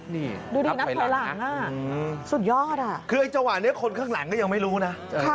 นี่ดูดินะถอยหลังฮะอืมสุดยอดอ่ะคือไอ้เจ้าสาวาดเนี่ยคนข้างหลังก็ยังไม่รู้นะค่ะ